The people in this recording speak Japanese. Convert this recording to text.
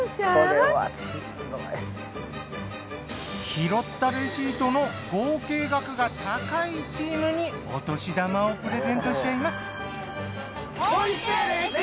拾ったレシートの合計額が高いチームにお年玉をプレゼントしちゃいます。